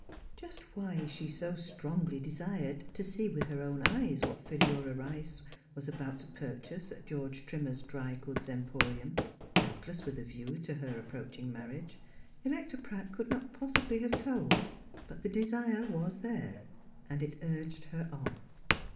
Just why she so strongly desired to see with her own eyes what Philura Rice was about to purchase at George Trimmer's Dry goods Emporium, doubtless with a view to her approaching marriage. Electa Pratt could not possibly have told ; but the desire was there and it urged her on.